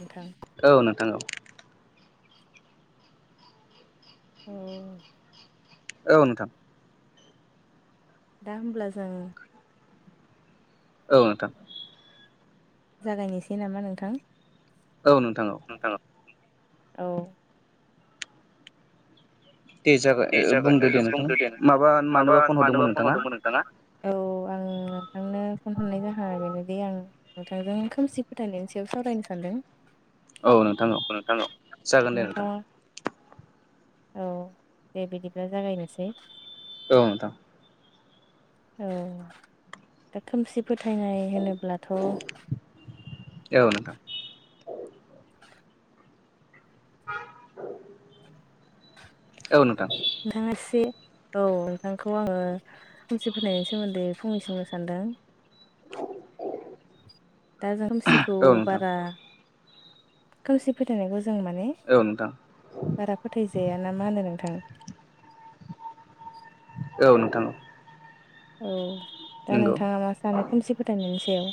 नोंथां औ नोंथां औ। उ। औ नोंथां। दा होमब्ला जोङो औ नोंथां। जागायनोसै नामा नोंथां? औ नोंथां औ। औ। दे जागोन ओ बुंदो दे नोंथां माबा मानोबा फन हरदोंमोन नोंथाङा? [inaudible] नो फन हरनाय जाहोना बेनोदि आं नोंथांजों खोमसि फोथायनायनि सायाव सावरायनो सानदों। थ नोंथां औ जागोन दे नोंथां नोंथाङा औ दे बिदिब्ला जागायनोसै। औ नोंथां। औ दा खोमसि फोथायनाय होनोब्लाथ' औ नोंथां। [inaudible] औ नोंथां एसे औ नोंथांखौ आङो खोमसि फोथायनायनि सोमोन्दै फंनैसो बुंनो सानदों। दा जों खोमसिखौ औ नोंथां बारा खोमसि फोथायनायखौ ज जों माने औ नोंथां बारा फोथायजा जाया ना मा होनो नोंथां औ नोंथां। औ दा नंगौ नोंथाङा मा सानो खोमसि फोथायनायनि सायाव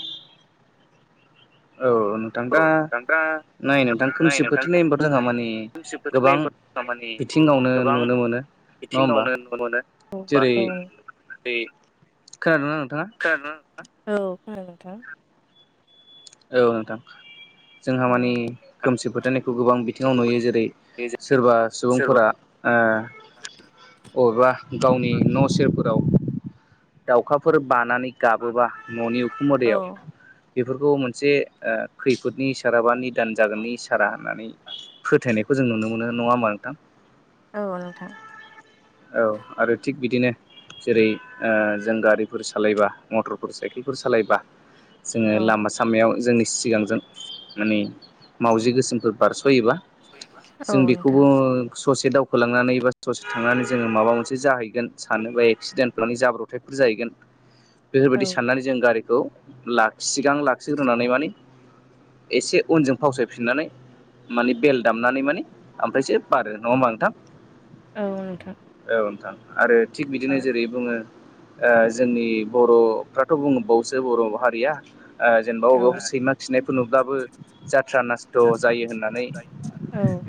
औ नोंथां औ दा दा नै नोंथां नाय खोमसि नोंथां फोथायनाय होनबाथ माने खोमसि फोथायनाय गोबां होनबा बिथिङावनो नुनो मोनो। होमबा बिथिंआवनो नुनो मोनो बा जेरै जेरै खोनादोंना नोंथाङा? औ खोना नोंथां। औ नोंथां जोंहा मानि खोमसि फोथायनायखौ गोबां बिथिङाव नुयो जेरै औ सोरबा सोरबा सुबुंफोरा ओ अबेबा गावनि न' सेरफोराव दाउखाफोर बानानै गाबोबा लानानै न'नि उखुम औ मोदैयाव बेफोरखौ मोनसे से ओ खैफोदनि इसारा बा निदान जागोननि इसारा होननानै फोथायनायखौ जों नुनो मोनो नङा होमबा नोंथां। औ नोंथां। औ आरो थिग बिदिनो जेरै ओ जों गारिफोर सालायबा मटरफोर साइकेलफोर सालायबा जोङो औ लामा सामायाव जोंनि सिगांजों माने मावजि गोसोमफोर बारस' होयोबा औ जों नोंथां बेखौबो ससे दावखोलांनानै बा ससे थांनानै जोङो माबा मोनसे जाहैगोन सानोबा एक्सिडेन्ट माने जाब्रबथायफोर जाहैगोन बेफोरबायदि औ साननानै जों गारिखौ लाखि सिगां लाखिग्रोनानै माने एसे उनजों फावसायफिननानै माने बेल दामनानै माने ओमफ्रायसो बारो नङा होमबा नोंथां। औ नोंथां। औ नोंथां आरो थिग बिदिनो औ जेरै बुङो ओ जोंनि बर'फ्राथ' बुंबावसो बर' हारिया ओ जेनबा औ अबेवबा सैमा खिनायफोर नुब्लाबो जात्रा नासथ' जायो होननानै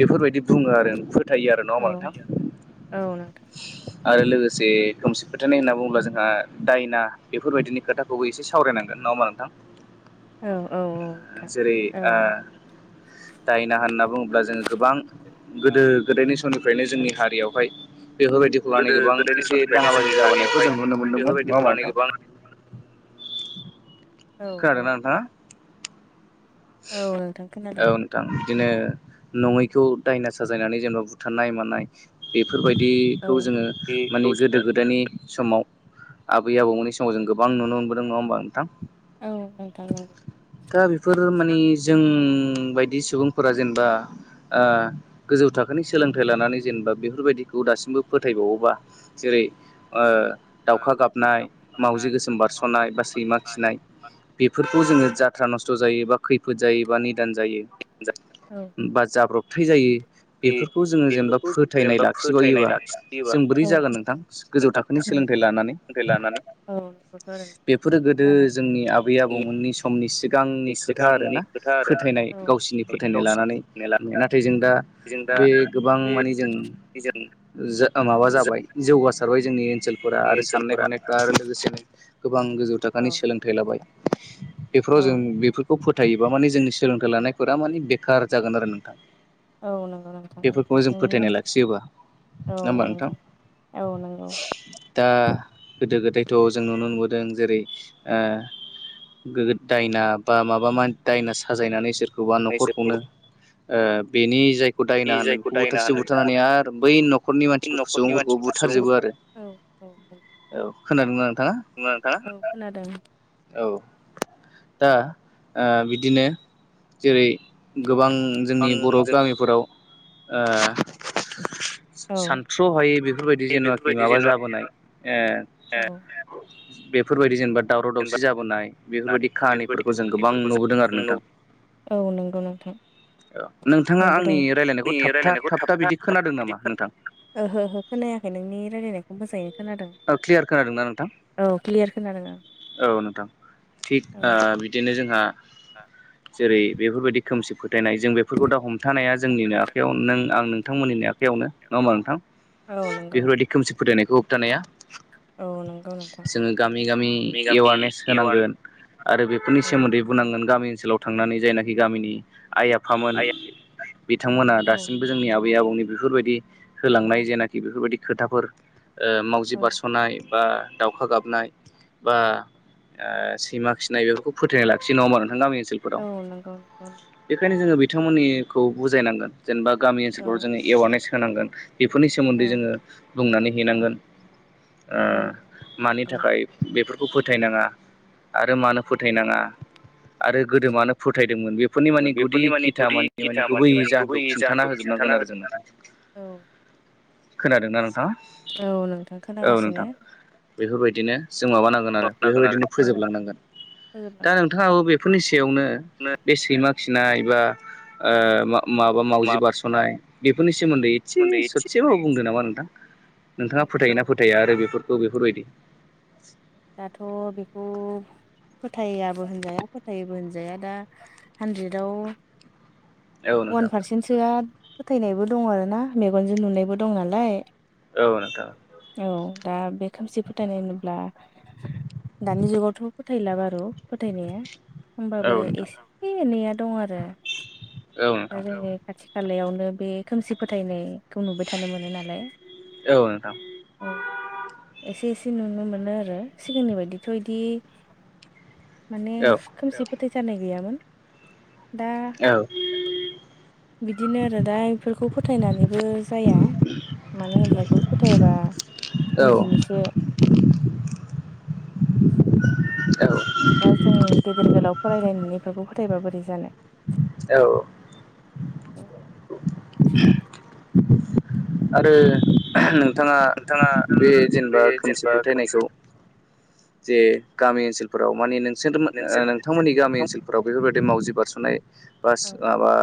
बेफोरबायदि बुङो आरो फोथायो आरो नङा हमबा औ औ नोंथां। नोंथां आरो लोगोसे खोमसि फो थायनाय होनना बुङोब्ला जोंहा दायना बेफोरबायदिनि खोथाखौबो एसे सावरायनांगोन नङा होमबा औ औ नोंथां? नोंथां जेरै औ आ दायना होनना बुङोब्ला जोङो गोबां गोदो गोदायनि समनिफ्रायनो जोंनि हारियावहाय बेफोरबायदिखौ गोदो लानानै गोबां गोदायनि एसे समनिफ्रायनो दाहा जोंनि बाजि जाबोनायखौ हारियावहाय जों नुनो मोन्दोंमोन नङा बेफोरबायदिखौ होमबा लानानै नोंथां। गोबां औ औ खोनादोंना नोंथाङा? औ नोंथां खोनादों। औ नोंथां बिदिनो नङैखौ दायना साजायनानै जेनेबा बुथारनाय मानाय बे औ फोरबायदिखौ जोङो बेखौ मानि गोदो जोङो गोदायनि समाव आबै आबौमोननि समाव जों गोबां नुनो मोनबोदों नङा होमबा नोंथां। औ नोंथां नंगौ। दा बेफोर माने जों बायदि सुबुंफोरा जेनेबा आ गोजौ थाखोनि सोलोंथाइ लानानै जेनेबा बेफोरबायदिखौ दासिमबो फोथायबावोबा जेरै ओ दाउखा गाबनाय मावउजि गोसोम बारस'नाय बा सैमा खिनाय बेफोरखौ जोङो जाथ्रा नस्थ' जायो बा खैफोद जायोबा निदान औ जायो बा जाब्रबथाय जायो। बेफोरखौ जोङो जेनेबा बेफोरखौ फोथायनाय जेनेबा फोथायनाय लाखिबायोबा लाखियोबा जों बोरै औ जागोन नोंथां गोजौ नोंथां थाखोनि सा सोलोंथाइ लानानै। बेफोरो गोदो जानाय जोंनि आबै आबौमोननि समनि सि नि खोथा सिगांनि आरोना खोथा आरोना फोथायनाय गावसिनि फोथायनाय लानानै गावसिनि लानानै नाथाय जों दा जों दा बे गोबां बे माने जों जों माबा जाबाय जौगासा सारबाय जोंनि ओनसोलफोरा जोंनि आरो साननाय ओनसोलफोरा हनायफ्रा आरो लोगोसेनो गोबां गोजौ औ थाखोनि सोलोंथाइ लाबाय। बेफोराव जों बेफोरखौ फोथायोबा माने जोंनि सोलोंथाइ लानायफोरा माने बेखार जागोन आरो नोंथां। औ नंगौ नोंथां नोंथांनि बुं औ नांङा होमबा नोंथां नंगौ औ नंगौ दा गोदो गोदाय थ' जों नुनो मोनबोदों जेरै ओ दायना बा माबा मा दायना साजायनानै सोरखौबा नखरखौनो सोरखौबा बेनि जाय खौ दायना होनो जायखौ बेखौ दायना बुथारसे होनो बेखौ बुथारनानै आरो बै नखरनि मानसिफोरखौ न'खरनि सुबुंफोरखौ मानसिफोरखौ सुबुं औ बुथारजोबो आरो औ खोनादोंना नो नोंथाङा औ खोनादों। औ दा ओ बिदिनो जेरै गोबां आं जोंनि बर' जों गामिफोराव ओ सानथ्र'हायै बेफोरबायदि जेन'नाखि बेफोरबायदि माबा जेनेबा जाबोनाय जेनेबा ओ बेफोरबायदि जेनेबा दावराव दावसि जाबोनाय बेफोरबायदि खाहानिफोर फोरखौ जो़ नु औ नंगौ नोंथां। औ नोंथाङा आंनि रायज्लायनायखौ थाबथा थाबथा बिदि खोनादों बिदि नामा खोन नोंथां? ओहो ओहो खोनायाखै नोंनि रायलायनायखौ मोजाङैनो खोनादों। क्लियार खोनादोंना नोंथां? औ क्लियार खोनादों आं। औ नोंथां। थिग औ ओ बिदिनो जोंहा जेरै बेफोरबायदि खोमसि फो थायनाय जों बेफोरखौ दा हमथानाया जोंनिनो खोनाया आखायाव नों औ आं नोंथांमोननिनो आखायावनो नङा होमबा नोंथां? औ नंगौ। बेफोरबायदि खोमसि फोथायनायखौ होबथानाया। औ नंगौ नोंथां। जोङो गामि गामि गामि एवारनेस एवारने होनांगोन आरो बे नि औ सोमोन्दै बुंनांगोन गामि ओनसोलाव थांनानै जायनाखि गामिनि आइ आफामोन बिथांमोना औ दासिमबो जोंनि आ बै आबौनि बेफोरबायदि होलांनाय जेनाखि बेफोरबायदि खोथाफोर ओ मावजि औ बारस'नाय बा दाउखा गाबनाय बा ओ सैमा खिनाय बेफोरखौ फोथायनाय लाखियो नङामा नोंथां गामि ओनसोलफोराव औ नंगौ नंगौ औ बेखायनो जोङो बे‌ थांमोननिखौ बुजायनांगोन जेनबा गामि औ ओनसोलफ्राव जोङो एवारनेस होनांगोन बेफोरनि सोमोन्दै जोङो बुंनानै हैनांगोन ओ औ मानि औ थाखाय बेफोरखौ फोथायनाङा आरो मानो फो थायनाङा आरो गोदो मानो फोथाय दोंमोन बेफोरनि माने गुदि बेफोरनि माने खिथा गुदि माने-माने खिथा गुबै माने माने जाहोनखौ खिन्थाना जाहोनखौ होजोबनांगोन खिन्थाना हो आरो जोंनो औ खोनादोंना नोंथाङा औ नोंथां खोनागासिनो बैफोरबायदिनो जों माबानांगोन औ आरो बेफोरबायदिनो फोजोबलांनांगोन दा फोजोबलांथ'आ नोंथाङाबो बेफोरनि सायावनो बे सैमा खिनाय बा ओ मा माबा मावजि सोमोन्दै बारस'नाय बेफोरनि सोमोन्दै एसे ससेबाबो बुंदो नामा नोंथां औ नोंथाङा औ फोथायोना फोथाया आरो बेफोरखौ बेफोरबायदि दाथ' बेखौ फोथायाबो होनजाया फोथायोबो होनजाया दा हानद्रेदाव औ अवान नोंथां पारसेन्टसोआ फोथायनायबो दं आरो ना मेगनजों नुनायबो दं नालाय औ नोंथां औ दा बे खोमसि फोथायनाय होनोब्ला दानि जुगावथ' फोथायला बारु' फोथायनाया औ होमबाबो नोंथां एसे एनैया दं आरो औ दा नोंथां जेरै खाथि खालायाव ओ बे खोमसि फोथायनाय खौ नुबाय थानो मोनो नालाय औ नोंथां औ एसे एसे नुनो मो नो आरो सिगांनि बायदिथ' इदि माने औ खोमसि फो थैजानाय गैयामोन दा बिदिनो आरो दा इफोरखौ फोथायनानैबो जाया मानो होनब्ला इखौबो फोथायाबा औ निजिनिसो [unintelligible] दा जों गेदेर गोलाव फरायलायनानै इफोरखौ फोथायबा बोरै जानो औ [unintelligible] आरो [unintelligible] नों थाङा नोंथाङा बे जेनबा बे खोमसि जेनेबा खोनसे फोथायनायखौ जे गामि ओनसोलफोराव माने नोंसोरमो ओ नोंसोर नोंथांमोननि गामि नोंथां ओनसोलफोराव बेफोरबायदि मावजि बारस'नाय बास माबा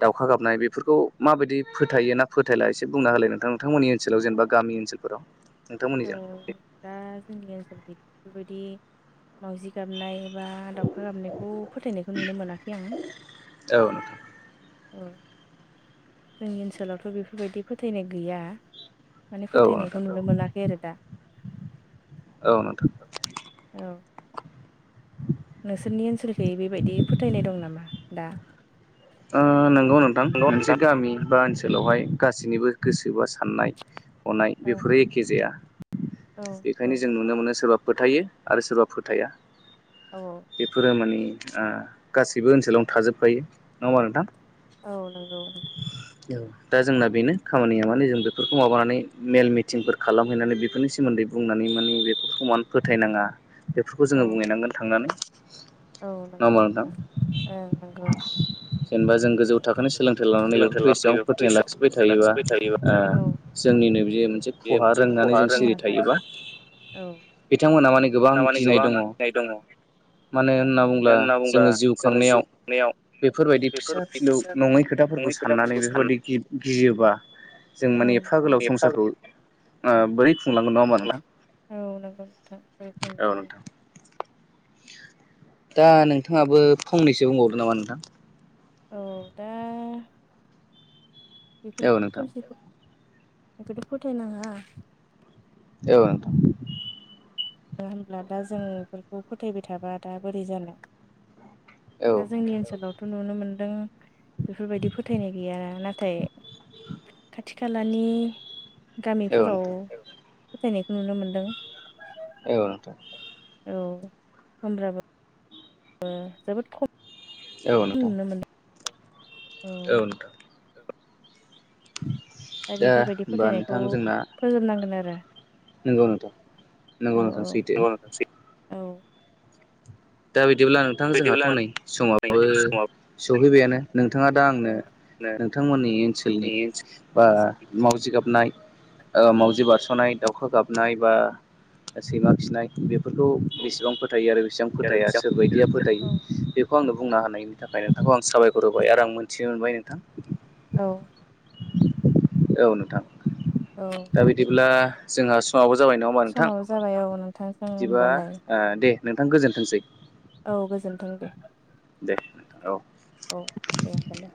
दाउखा गाबनाय बेफोरखौ माबायदि फोथायो ना फोथायला एसे बुंना होलाय नोंथां नोंथांमोननि ओनसोलाव जेनबा गामि ओनसोलफोराव ओ नोंथांमोननिजों [unintelligible] दा जोंनि ओनसोल बेफोरबायदि माउजि गाबनाय बा दाउखा गाबनायखौ फोथायनायखौ नुनो मोनाखै आं औ जोंनि ओनसोलावथ' बेफोरबायदि फोथायनाय गैया माने औ फोथायनायखौ नोंथां नुनो मोनाखै आरो दा औ नोंथां औ नोंसोरनि ओनसोलखै बेबायदि फोथायनाय दं नामा दा? ओ नोंगौ नोंथां नंगौ मोनसे नोंथां गामि बा ओनसोलावहाय गासैनिबो गोसो बा साननाय हनाय औ बेफोरो एखे जाया औ बेखायनो जों औ नुनो मोनो सोरबा फोथायो आरो सोरबा फोथाया औ बेफोरो मानि आ गासैबो ओनसोलावनो थाजोबखायो नङा होमबा नोंथां औ नंगौ औ दा जोंना बेनो खामानिया माने जों बेफोरखौ माबानानै मेल मिथिंफोर खालामहैनानै बेफोरनि सोमोन्दै बुंनानै माने बेफोरखौ मान फोथायनाङा बेफोरखौ नोंथां जोङो औ बुंहैनांगोन थांनानै औ नङा नंगौ होमबा नोंथां ओं नंगौ जेनबा जों गोजौ जेनेबा जों थाखोनि गोजौ सोलोंथाइ थाखोनि लानानै सोलोंथाइ बेफोरखौ लानानै एसेबां बेफोरखौ फोथायनाय लाखिबाय एसेबां थायोबा लाखिबाय थायोबा जोंनिनो बि बे मोनसे बे खहार होननानै खहा जों रों सिरि थायोबा बिथांमोनहा माने गोबां नामानि गिनाय गोबां दङ नाय मानो मानो होनना बुङोब्ला बुंब्ला जोङो जिउ जोङो खांनायाव जिउ खुंनायाव बेफोरबायदि फिसा फिसौ नङै खोथाफोरखौ साननानै जुदि बेफोरबायदि साननानै गियोबा जों माने एफा गोलाव संसारखौ ओ बोरै खुंलांगोन नङा होमबा नोंथां औ नंगौ नोंथां औ [unintelligible] नोंथां दा नोंथाङाबो फंनैसो बुंबावदो नामा नोंथां औ दा बेफोर औ नोंथां खोमसिखौ बेखौथ फोथायनाङा औ‌ नोंथां नङा होमब्ला दा जों बेफोरखौ फोथायबाय थाबा दा बोरै जानो औ दा जोंनि ओनसोलावथ नुनो मोनदों बेफोरबायदि फोथायनाय गैया नाथा थाय खाथि खालानि गामिफोराव नोंथां फोथायनायखौ नुनो मोनदों औ नोंथां औ होमब्लाबो ओ जोबोद खम औ नोंथां नुनो [inaudible] औ नोंथां दा होमबा नोंथां जोंना नंगौ नोंथां नंगौ नोंथां औ-औै सैथो [unintelligible] औ दा बिदिब्ला नोंथां जोंहाथ बिदिब्ला नै समावबो नोंथां समाबो सफैबायानो नोंथाङा दा आंनो नोंथांमोननि ओनसोलनि बा मावजि गाबनाय ओ मावजि बारसनाय दाउखा गाबनाय बा सैमा खिनाय बेफोरखौ बेसेबां फोथायो आरो बेसेबां फोथाया सोरबायदिया फोथायो बेफोर खौ आंनो बुंना होनायनि थाखाय नोंथांखौ आं साबायखर होबाय आरो आं मोनथिनो मोनबाय नोंथां औ औ नोंथां औ दा बिदिब्ला जोंहा स समाबो जाबाय नङा होमा नोंथां समाबो जाबाय औ नोंथांजों बिदिबा होमबालाय ओ दे नोंथां गोजोनथोंसै औ गोजोनथों दे दे औ औ दे होमबालाय